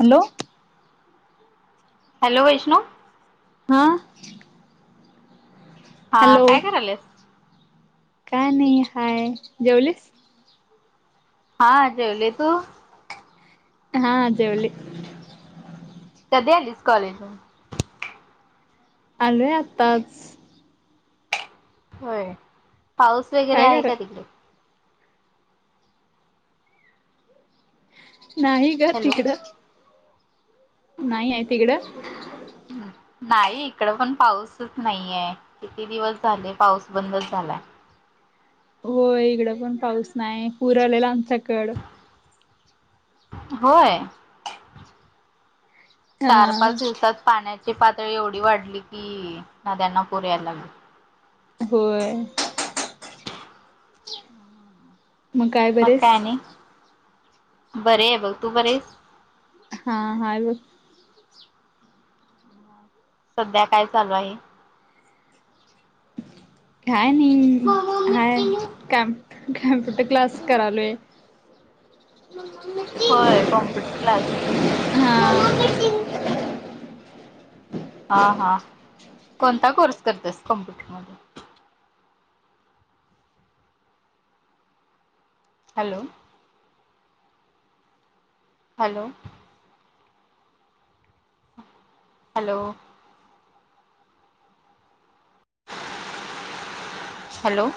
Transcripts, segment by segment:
Hello? Hello Vaishnu, हा, हा hello काय करा लायस, काय नाही, हाय जेवलेस, हा जेवली तू? हा जेवले, कधी आलीस, कॉलेज मदन? आलेय आताच, होय, पाऊस वगैरे काय आहे करा का तिकडे? ना ग हॅलो तिकड? नाही आहे, तिकडं? हम्, नाही इकड पण, पाऊसच नाहीये किती दिवस झाले, पाऊस बंदच झालाय. हो इकडं पण पाऊस नाही, पूर आलेला आमच्याकड, होय, चार, पाच, हा दिवसात पाण्याची पातळी एवढी वाढली कि, नद्यांना पूर याला लागला. होय. [unintelligible] मग काय बरी आहेस, बरी आहे बघ, तू बरी आहेस, हा हा हाय बग, ह, सध्या काय चालू आहे? काय नाही, हाय कम कॅम्प्युटर क्लास, करालो आहे. होय कॉम्प्युटर क्लास, हा हा, हा कोणता कोर्स करतेस? कॉम्प्युटरमध्ये, hello? Hello? Hello? Hello!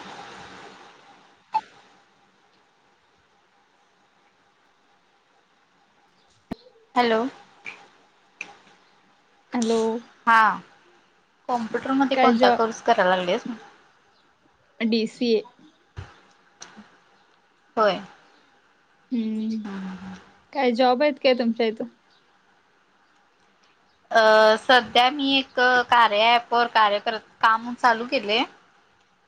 Hello? Hello? हा कॉम्प्युटरमध्येध्ये, काय कोणता जॉ कोर्स करायला लागलेस, बी, सी, ए, होय हम्म काय जॉब आहेत काय? तुमच्या इथ, अ सध्या मी एक कार्य पवर कार्यक काम चालू केले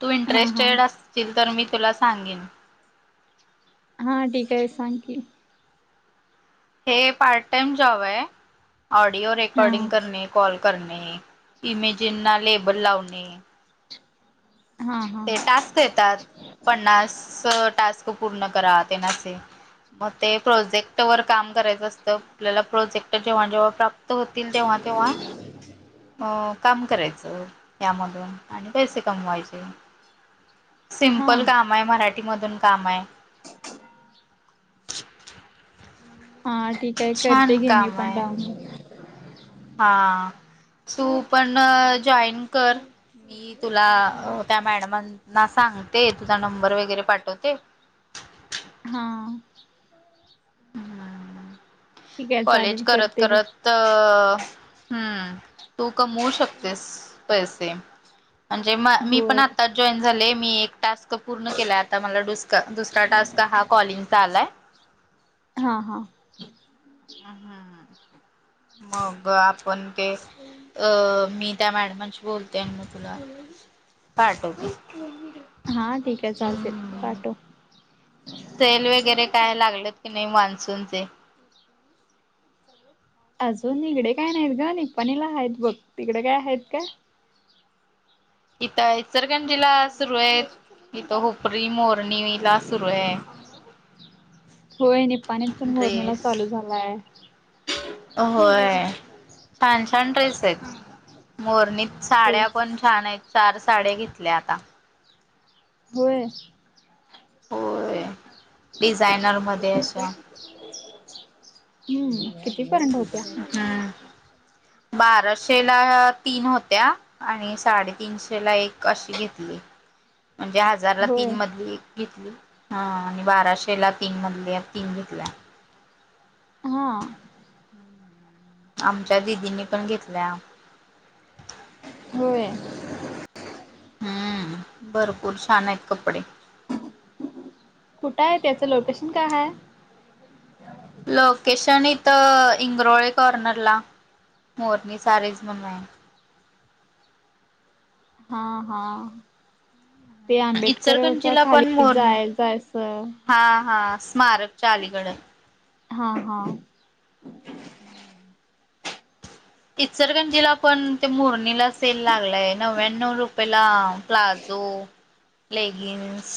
तू हा हा इंटरेस्टेड असतील तर मी तुला सांगेन हा ठीक आहे सांग की हे पार्ट टाइम जॉब आहे ऑडिओ हा रेकॉर्डिंग करणे कॉल करणे इमेजिनना ललेबल लावणे हा ते टास्क येतात पन्नास टास्क पूर्ण करा येण्याचे मग ते प्रोजेक्ट वर काम करायचं असतं आपल्याला प्रोजेक्ट जेव्हा जेव्हा प्राप्त होतील तेव्हा तेव्हा अं काम करायचं यामधून आणि पैसे कमवायचे हा सिमपल काम आहे मराठीमधून काम आहे [unintelligible] हा ठीक आहे करते छान घे मी काम पण आहे डाऊन हा तू पण जॉईन कर मी तुला त्या मॅडमांना सांगते तुझा नंबर वगैरे पाठवते हा हम्म ठीक आहे कॉलेज चालेल करत करते घे करत अ हम् तू कमवू शकतेस पैसे णजे मी पण होय आता जॉईन झाले मी एक टास्क पूर्ण केलाय आता मला डुस् दुसरा टास्क हा कॉलिंगचा आलाय हा हा हम हम ह मग आपण ते अ मी त्या मॅडमांशी बोलते म तुला पाठ हा ठीक आहे चालते पाठव सेल वगैरे काय लागलत की नाही मान्सूनचे अजून तिकडे काय नाहीत ग नि पाणीला आहेत बघ तिकडे काय आहेत का इथ इचलकरंजीला सुरू आहे इथ हपरी मोरणी ला सुरू आहे होय निपाणीला पण मोरणीला ड्रेस चालू झालाय होय छान छान ड्रेस आहेत मोरनीत हो साड्या पण छान आहेत चार साड घेतल्या आता होय हो हम्म किती पर्यंत होत्या हम्म बाराशेला तीन होत्या आणि साडेतीीनशे ला एक अशी घेतली म्हणजे हजार ला होय तीन मधली एक घेतली आणि बाराशे ला तीन मधले तीन घेतल्या हा आमच्या दिदींनी पण घेतल्या होय हम्म भरपूर छान आहेत कपडे कुठं आहे त्याचं लोकेशन काय आहेय लोकेशन इथं इंग्रोळे कॉर्नरला मोरनी सारीज म्हण आहे हा हा ते आंबेडकरच्या इचलकरंजीला पण खाली मोरणी जाय जायचं हा हा स्मारकच्या अलीकड हा हा हम्म इचरगंजीला पण ते मुरणीला सेल लागलाय नव्याण्णव रुपयेला प्लाजो लेगिन्स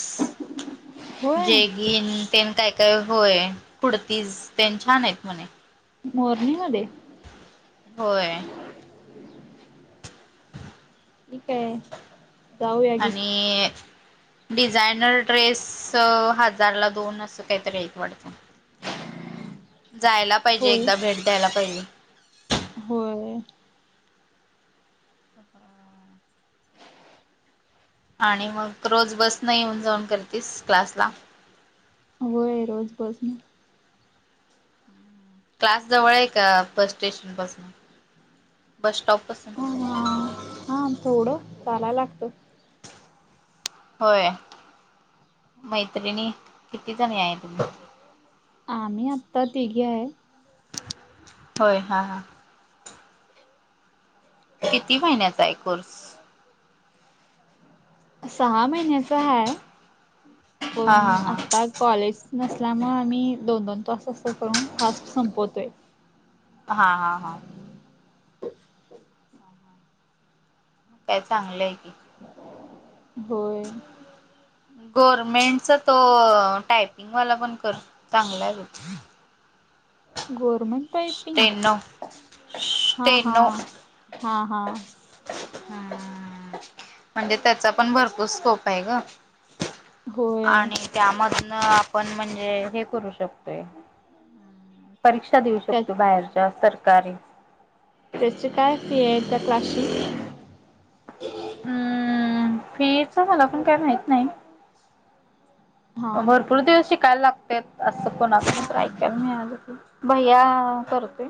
होय जेग घन तेन काय काय होय पुडतीस तेन छान आहेत म्हणे. मोरनीमध्ये होय. ठी काय? आणि डिझायनर ड्रेस हजारला दोन असं काहीतरी यायच वाटतं. जायला पाहिजे होय एकदा भेट द्यायला पाहिजे. होय त आणि मग रोज बस न येऊन जाऊन करतेस क्लासला होय रोज बस ना क्लास जवळ आहे का बस स्टेशन पासून बस स्टॉप पासून ह हा थोडं चाला लागतो. होय मैत्रिणी किती जण आहे आहे तुम आम्ही आत्ता तघे आहे. होय हा हा. किती महिन्याचा आहे कोर्स. सहा महिन्याचा हा हा पण हा हा आता कॉलेज नसल्यामुळं आम्ही दोन दोन तास असं करून फास्ट संपवतो आहे. हा हा हा. काय चांगलंय की होय. ह. गव्हर्मेंटचा तो टायपिंगवाला पण कर चांगलाच हो. [unintelligible] गोर्मेंट पाइपिंग हा हा स्टेनो हा हा. हम्म म्हणजे त्याचा पण भरपूर स्कोप आहे ग. होय आणि त्यामधन आपण म्हणजे हे करू शकतोय. परीक्षा देऊ त्यात शकतो बाहेरच्या सरकारी त्याची काय फी आहे त्या क्लासशी हम्म फीच मला पण काय माहत नाही. हा भरपूर दिवस शिकायला लागतो. ते असं कोणाच तर ऐकायला मिळा भैया करतोय.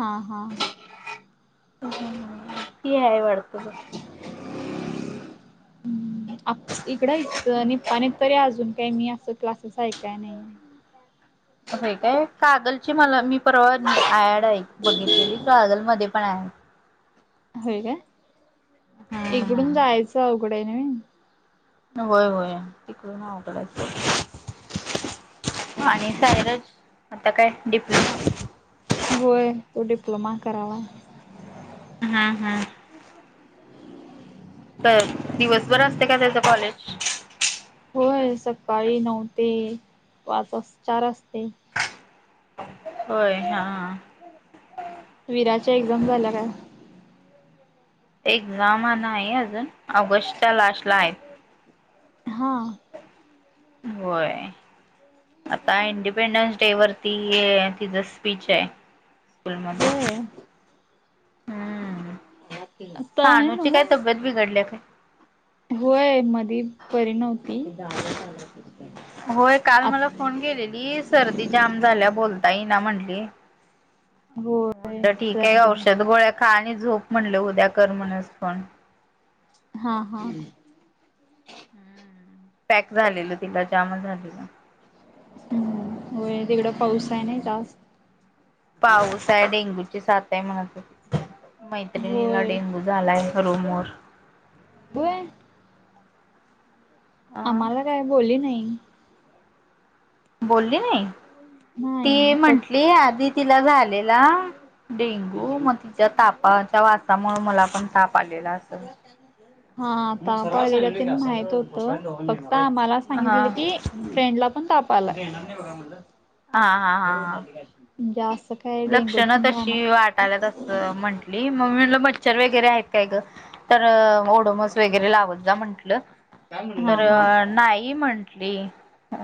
हा हा. हम फी आहे वाढत बस. आप इकडंच पा आणि तरी अजून काही मी असं क्लासेस आहेऐकाय नाही. हे काय कागलची मला मी परवा ॲड आहे बघितलेली कागल मध्ये पण आहे. होय का इकडून हम्म जायचं अवघड आहे न म होय होय तिकून आवट आणि सायरज आता काय डिप्लोमा होय तो डिप्लोमा करावा. हम्म हम्. तर दिवसभर असते का त्याच कॉलेज होय सकाळी नऊ ते पाच वा चार वाजते. होय हा. विराच्या एक्झाम झाल्या काय? एक्झाम आहे अजून ऑगस्टच्या लास्ट ला आहेत. हा. होय. आता इंडिपेंडन्स डे वरती तिचं स्पीच आहे. हम्. होय हम्म आता आहे साणूची काय नव्हं. तब्येत बिघडली काय? होय मधी बरी नव्हती. होय काल आत मला फोन केलेली सर्दी जाम झाल्या बोलता येई ना म्हंटली. होय म्हणलं ठीक आहे सर्दी औषध गोळ्या खा आणि झोप म्हणलं उद्या कर म्हणस फोन हा हा. हम् पॅक झालेलं तिला जाम झालेलं. हम्म व तिकडं पाऊस आहे ना तास पाऊस आहे डेंगूची साात आहे म्हणात मैत्रिणीला होय डेंगू झालं आहे रुमर वर अ आम्हाला काय बोलली नाही. बोलली नाही नाही ती फक्त म्हटली आधी तिला झालेला. डेंगू मग तिच्या तापाच्या वासामुळे मला पण ताप आलेला असं. हा आता ते माहित होत फक्त आमला हा सांगित की फ्रेंडला पण ताप आलाय. हा हा जा सकते लक्षण तशी वाटाल्या तसं म्हण मलं मच्छर वगैरे आहेत काय ग तर डोमस वगैरे लावत जा म्हटलं हा तर हा नाही म्हटली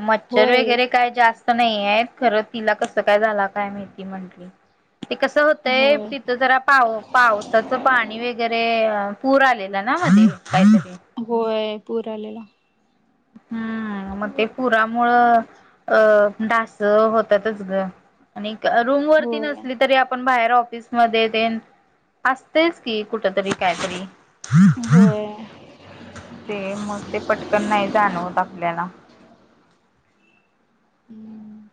मच्छर होय वगैरे काय जास्त नाही आहे खरं तिला कसं काय झाला काय माहिती म्हंटली. ते कसं होतंय होय तिथं जरा पाह पावसाचं पाणी वगैरे पूर आलेला ना मध्ये काहीतरी होय पूर आलेला. हम्म. मग ते पुरामुळ अ डास होतातच ग. आणि रूम वरती होय नसली तरी आपण बाहेर ऑफिसमध्येध्ये तेन असतेच की कुठ तरी काहीतरी होय ते मग ते पटकन नाही जाणवत आपल्याला. हम्म.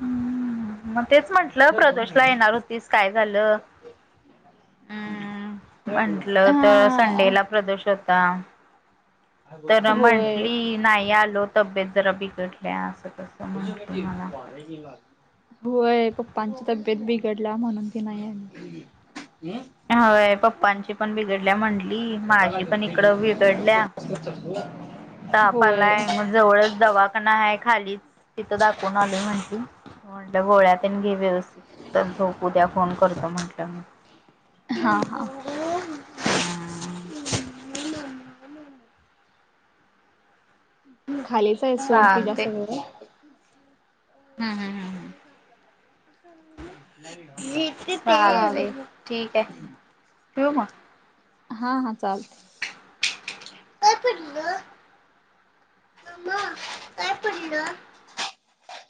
हम्म मग तेच म्हंटलं प्रदोष ला येणार होतीस काय झालं. [unintelligible] हम् म्हंटलं तर हा संडेला प्रदोश होता. तर होय म्हंटली नाही आलो तब्येत जरा बिघडल्या असं कस. हझमध्येी वारही ला [unintelligible] होय पप्पांची तब्येत बिघडल्या म्हणून ती नाही आली. हय पप्पांची पण बिघडल्या म्हटली माझी पण इकड बिघडल्या. ताप होय आलाय मग जवळच दवाखाना ण आहे खालीच तिथं दाखवून आलो म्हणटली. म्हटल गोळ्या तेन घे व्यवस्थित झोप उद्या फोन करतो म्हटलं मी. हां हा. हम्. खालीच आहे सोड ते जास्त वगरे हम् हम हम हम. ठीक चाल आहे ठेऊ मग हा हा चालते. कायपडलं मम्मा कायपडलं.